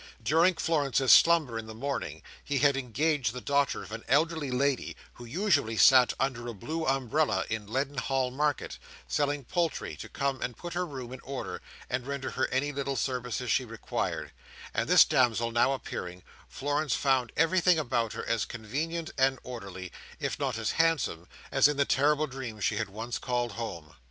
During Florence's slumber in the morning, he had engaged the daughter of an elderly lady who usually sat under a blue umbrella in Leadenhall Market, selling poultry, to come and put her room in order, and render her any little services she required; and this damsel now appearing, Florence found everything about her as convenient and orderly, if not as handsome, as in the terrible dream she had once called Home.